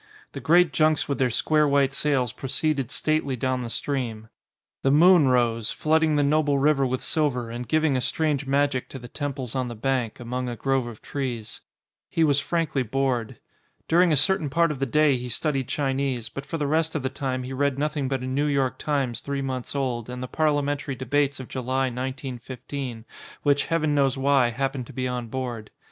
The great junks with their square white sails proceeded stately down the stream. The moon rose, flooding the noble river with silver and giving a strange magic to the temples on the bank, 14.4 THE SEVENTH DAT ADVENTIST among a grove of trees. He was frankly bored. During a certain part of the day he studied Chi nese, but for the rest of the time he read nothing but a New York Times three months old and the Parliamentary debates of July, 1915, which, heaven knows why, happened to be on board.